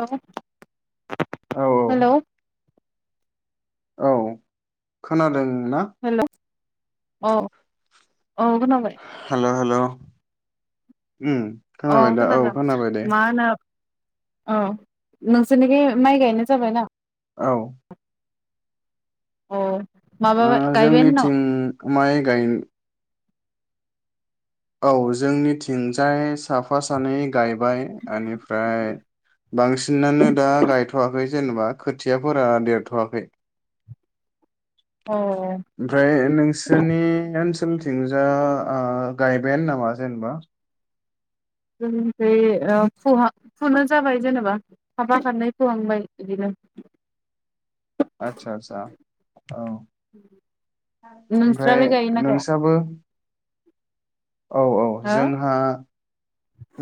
औ औ औ हेलौ [inaudible] औ खोनादों। ना? हेल'। अ। औ खोनाबाय। [inaudible] ओम खोनाबाय दा औ खोनाबाय दे। अ नोंसोरनिखि माइ गायनाय जाबायना? औ। अ। माबा ओ गायबायानो न' जोंनिथिं माइ गायन औ जोंनिथिंजाय साफा सानै गायबाय एनिफ्राय बांसिनानो दा गायथ'वाखै। जेनेबा खोथियाफोरा देरथ'वाखै। अ ओमफ्राय नोंसोनि ओनस थिंजा आ गायबायानो नामा जेनेबा? जोंनिखै ओ फुहा फुनो जाबाय जेनेबा खाफा खानै फुहांबाय इदिनो [inaudible] आदसा आदसा औ ओमफ्राय नोंस्रालाय गायोना गाया नोंसाबो औ औ जोंहा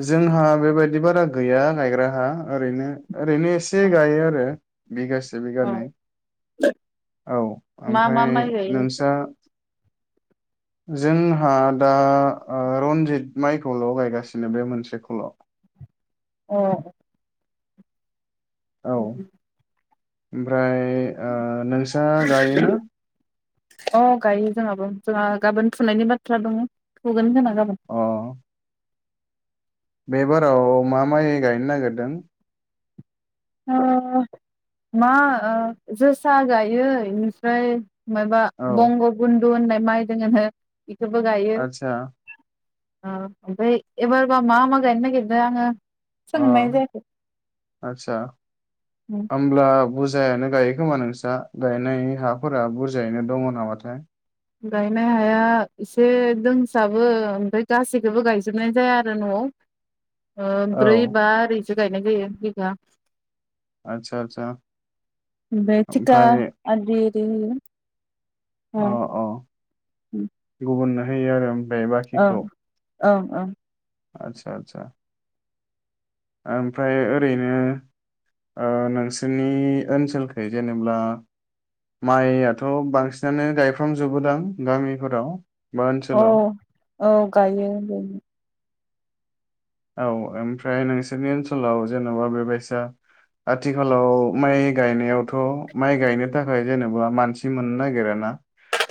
जोंहा बेबायद बिदि बारा गैया गायग्रा हा ओरैनो ओरैनो एसे हो गायो आरो बिगासे बिगानै औ औ मा मा ओमफ्राय माइ गायो नोंसा जोंहा दा ओ रनजित माइखौल' गायगासिनो बे मोनसे खोल एह औ ओमफ्राय ओ नोंसा गायोना अ गायो जोंहाबो जोंहा गाबोन फुनायनि बाथ्रा दङो फुगोन खोमा। गाबोन अ बे बाराव मा माय गायनो नागेरदों ओ मा ओ जोसा गायो इनिफ्राय मायबा औ बंग बुन न्दु होननाय माइ दोङो नो इखोबो गायो। आदसा ओ ओमफ्राय एबारबा मा मा गायनो नायगिरदो आङो अ सोंनाय जायाखै आतसा ओमब्ला बुरजायानो गायो खोमा नोंस्रा गायनाय हाफोरा बुरजायैनो दङ नामाथाय गायनाय हाया एसे दोंसाबो ओमफ्राय गासैखौबो गायजोबनाय जाया आरो न'आव ओ औ ब्रै बा आरि सो गायनाय जायो बिगा आदसा आदसा ओमफाय थिका ओमफ्राय आदि [unintelligible] अ अ ओम गुबुननो होयो आरो ओमफाय बाखिखौ ओं ओं आतसा आतसा ओमफ्राय ओरैनो ओ नोंसोरनि ओनसोलखै जेनेब्ला माइयाथ बांसिनानो गायफ्रामजोबोदों गामिफोराव? बा औ ओनसोलाव औ गायो बेनो औ ओमफ्राय नोंसोरनि ओनसोलाव जेनबा बेबायसा आथिखालाव माइ गायनायावथ माइ गायनो थाखाय जेनेबा मानसि मोननो नागिर ना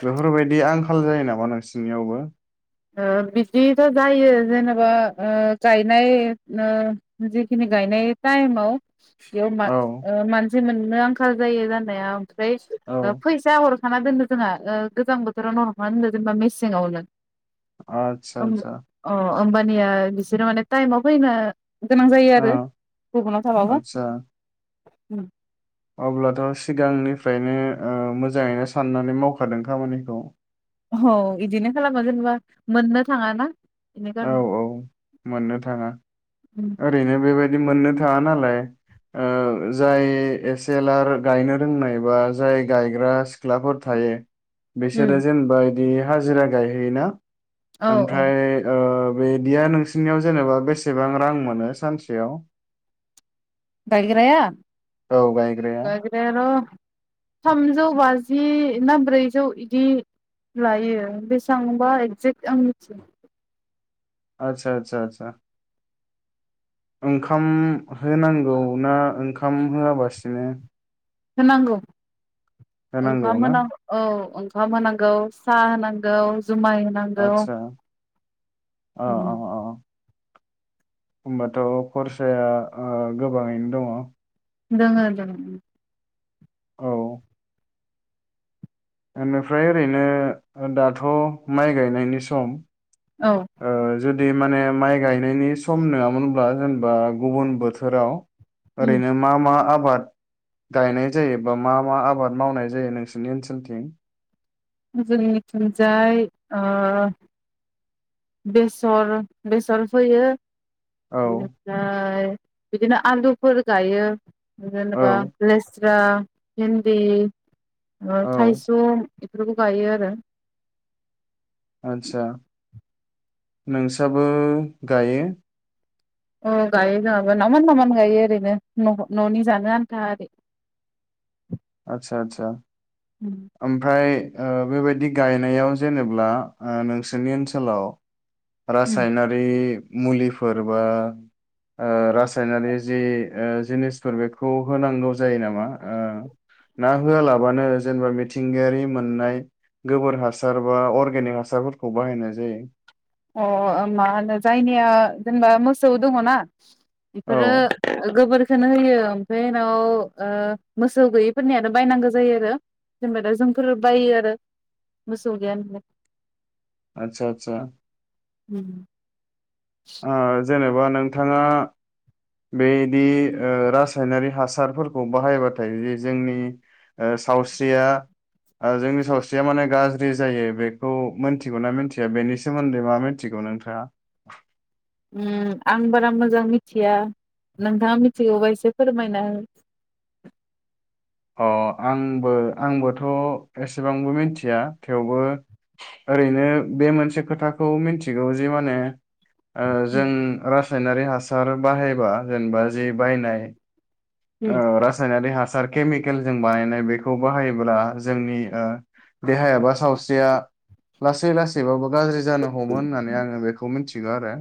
बेफोरबायदि आंखाल जायो नामा नोंसिनियावबो ओ बिदिथ जायो जेनेबा ओ गायनाय ओ जिखिनि गायनाय टाइमाव याव मा औ ओ मान मोननो आंखाल जायो जानाया। फ्राय औ फैसा हर। थाना दोनदो जोंहा ओ गोजां बोथोराव ना हफाना दोनो जेनेबा मेसेङावनो। आच्छा निया बिसोरो माने थाइमाव फैनो। गोनां जायो औ आरो गुबुनाव थाबाबो। [inaudible] आदसा अब्लाथ' सिगांनिफ्रायनो ओ मोजाङैनो साननानै मावखादों खामानिखौ। औ इदिनो खालामो जेनेबा मोननो थाङाना। बेनि औ गामि औ मोननो थाङा। उम ओरैनो बेबाय दि मोननो थाङा नालाय ओ जाय एसेलार गायनो रोंनाय बा जाय गायग्रा सिख्लाफोर थायो। बेसोरो उम जेनबाय ए हाजिरा गायहैयोना? औ औ आमफ्राय ओ। बिदिया नोंसनियाव जेनेबा बेसेबां रां। मोनो सानसेयाव? गायग्राया? औ गायग्राया गायग्रायार थामजौ बाजि ना ब्रैजौ इदि लायो बेसां बा एक्जेक्ट आं मिथिया। आच्छा आच्छा आच्छा ओंखाम होनांगौ ना ओंखाम होआबासिनो। होनांगौ होनांगौ ओंखाम ना होनां गौ औ ओं। खाम होनांगौ साह होनांगौ। जुमाय होनांगौ आदसा अ अ अ होमबाथ' खरसाया ओ गोबाङैनो दङ। दोङो दोङो उम औ। एनिफ्राय ओरैनो ओदाथ' माइ गायनायनि सम। औ। ओ जुदि माने माइ गायनायनि सम नङामोनब्ला जेनेबा गुबुन बोथोराव। ओरैनो मा मा आ बाद गायनाय जायो बा मा मा आबाद मावनाय जायो नोंसोरनि ओनसोलथिं। जोंनि थिंजाय ओ बेसर बेसर फोयो। औ बेनिफ्राय। बिदिनो आलुफोर गायो जेनेबा औ लेस रां भेन्दी ओ औ थाइसुम बेफोरखौ गायो आरो आतसा नोंसाबो गायो अ गायो जोङाबो नावमान नावमान गायो ओरैनो न न'नि जानो आन्था ओरै आतसा आतसा उम ओमफ्राय ओ बेबायदि गायनायाव जेनेबा ओ नोंसोरनि ओनसोलाव रासायनारि मुलिफोर बा ओ रासायनारि जि ओ जिनिसफोर बेखौ होनांगौ जायो नामा ओ ना होआलाबानो जेनेबा मिथिंगायारि मोननाय गोबोर हासार बा अर्गेनिक हासारफोरखौ बाहायनाय जायो अ मा होनो जायनिया जेनेबा मोसौ दङना औ बेफोरो गोबोर खोनो होयो ओमफ्राय उनाव ओ मोसौ गैयिफोरनिया बायनांगौ जायो आरो जेनेबा दा जोंफोर बायो आरो मोसौ गैया नालाय आतसा आतसा उ आ जेनेबा नोंथाङा बेदि ओ रासायनारि हासारफोरखौ बाहायबाथाय जि जोंनि ओ सावस्रिया ओ जोंनि सावस्रिया माने गाज्रि जायो बेखौ मोनथिगौना मोनथिया बेनि सोमोन्दै मा मोनथिगौ नोंथाङा ओ आं बारा मोजां मिथिया नोंथाङा मिथिगौबा एसे फोरमायना हो अ आंबो आंबोथ' एसेबांबो मिथिया थेवबो ओरैनो बे मोनसे खोथाखौ मिथिगौ जे माने ओ जों रासा सायनारि हासार बाहायबा जेनेबा जि बायनाय उम ओ रासायनारि हासा सार केमिकेल जों बानायनाय बेखौ बाहायोब्ला जोंनि ओ देहाय बा सावस्रिया लासै लासैबाबो गाज्रि जानो हममो होननानै आङो बेखौ मोनथि थिगौ आरो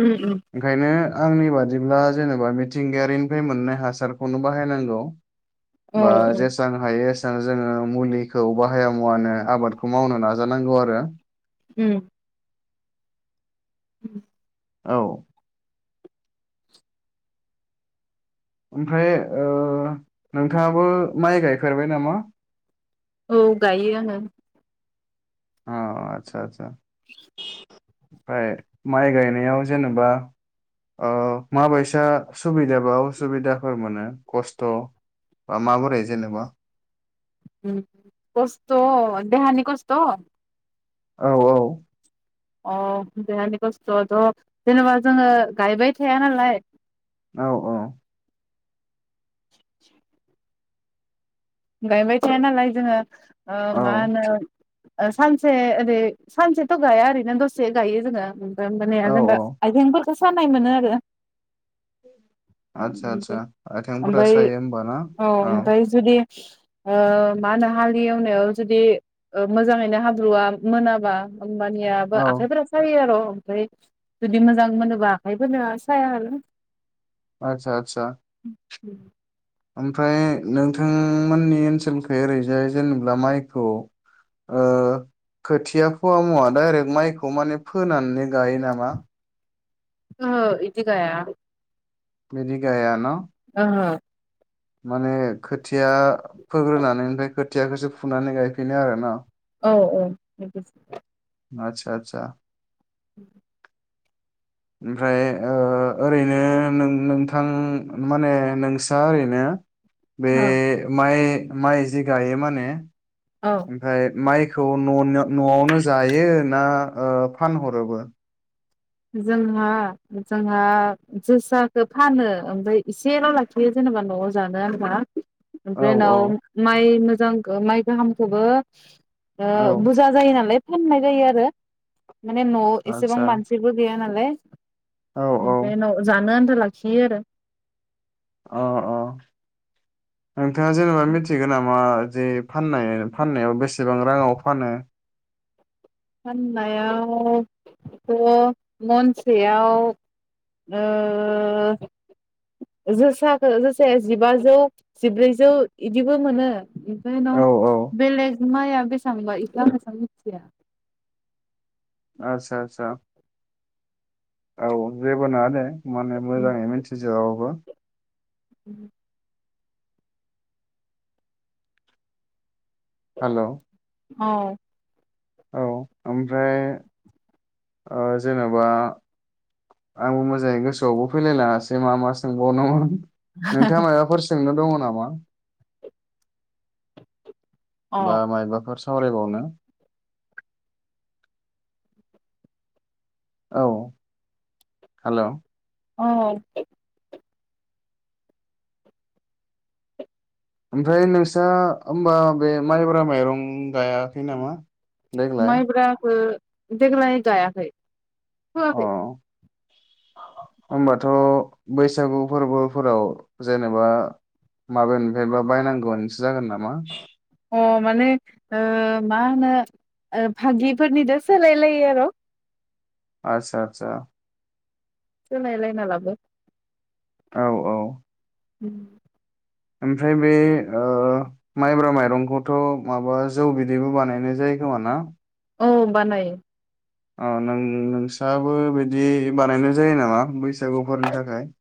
उ उ ओंखायनो आंनि बादिब्ला जेनेबा मिथिंगायारिनिफ्राय मोननाय हासा रखौनो बाहायनांगौ औ बा औ जेसबां हायो एस सां जोङो मुलिखौ बाहाया मुवानो आबादखौ मावनो नाजानांगौ आरो उम उ औ। ओमफ्राय ओ नोंथाङाबो माइ गायफेरबाय नामा? औ गायो आङो। अह आतसा आतसा। ओमफाय माइ गायनायाव जेनेबा ओ माबायसा सुबिदा बा उसुबिदाफोर मोनो खस्थ' बा माबोरै जेनेबा? कस्थ' देहानि कस्थ'? औ औ। अह देहानि खस्थ'आथ' जेनेबा जोङो गायबाय थाया नालाय औ औ। [inaudible] गायबाय थाया नालाय जोङो ओ औ मा होनो ओ सानसे ओरै सानसेथ' गाया ओरैनो दसे गायो जोङो, उम। उम माने औ जेनबा औ आइथेंफोर खौ सानाय मोनो आरो। आदसा आतसा आइथेंफोरा ओमफ्राय सायो होमबा ना? औ। ओमफ्राय जुदि ओ मा होनो हालि एवनायाव जुदि मोजाङैनो हाब्रुवा मोनाबा होमबानियाबो औ आखाइफोरा सायो आर'। ओमफाय जुदि मोजां मोनोबा आखाइफोरना साया आरो। आतसा आतसा। [inaudible] ओमफ्राय नोंथांमोननि ओनसोलखै ओरैजाय जेनेबा माइखौ ओ खोथिया फोवा मुवा डाइरेक्ट माइखौ माने फोनानै गायो नामा? ओहो इदि गाया। बिदि गाया न'? ओहो। माने खोथिया फोग्रोनानै ओमफाय खोथियाखोसो फुनानै गायफिनो आरो न'? औ औ बिदिसो। आतसा आतसा। [inaudible] ओमफ्राय ओ ओरैनो नों-नोंथां माने नोंस्रा ओरैनो बे औ माइ माइ जि गायो माने औ ओमफाय माइ खौ न'-न'आवनो जायो ना ओ फानहरोबो? जोंहा? जोंहा जोसाखो फानो ओमफाय एसेल' लाखियो जेनेबा न'वाव जानो आन्था। औ ओमफ्राय उनाव औ माइ मो जां माइ गाहामखोबो ओ औ बुजा जायो नालाय फाननाय जायो आरो। माने न'व एसेबां आदसा मानसि थिगबो गैया नालाइ औ औ एमफ्राय उनाव जानो फैस लाखियो आरो ओ ओ नोंथाङा जेनेबा मिथिगौ नामा जे फाननाय फाननायाव बेसेबां राङाव फानो फाननायावथ' मनसेयाव ओ जोसाखौ जोसाया जिबाजौ जिब्रैजौ बिदिबो मोनो एमफ्राय उनाव औ औ बेलेग माइआ बेसांबा इखौ आं मोन्थिया आदसा आतसा औ जेबो नङा दे माने मोजाङै मिन्थिजोबा बाबो [inaudible] हेल' औ औ ओमफ्राय ओ जेनेबा आंबो मोजाङै गोसोआवबो फैलायलाङासै मा मा सोंबावनोमोन नोंथाङा माबाफोर सोंनो दङ नामा? [inaudible] बा अ माइबाफोर सावराइ बावनो औ हेल' अ ओमफ्राय नोंस्रा होमबा बे माइब्रा माइरं गायाखै नामा देग्लाय माइब्राखो देग्लाय गायाखै फोयाखै अ होमबाथ' बैसागु फोरबोफोराव जेनेबा माबानिफ्रायबा बायनांगौआनोसो जागोन नामा अ माने ओ मा होनो भागिफोरनिथ' सोलायलायो आरो' आतसा आतसा सोलाय लायना लाबो औ औ [inaudible] ओमफ्राय बे ओ माइब्रा माइरंखौथ' माबा जौ बिदैबो बानायनाय जायो खोम ना? औ बानायो ओ नों नोंसाबो बिदि बानायनाय जायो नामा बैसागुफोरनि थाखाय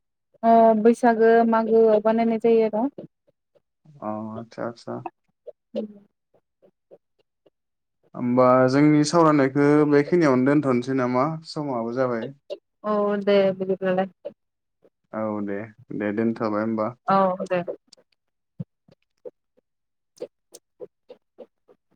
अ बैसागो मागोआव बानायनाय जायो आरो अ आतसा आतसा होमबा जोंनि सावरायनायखौ बेखिनियावनो दोनथ'नोसै नामा समाबो जाबाय औ दे बिदिब्लालाय औ दे दे दोनथ' औेे दे। [inaudible]